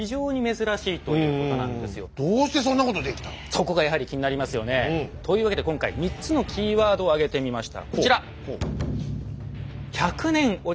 そこがやはり気になりますよね。というわけで今回３つのキーワードを挙げてみました。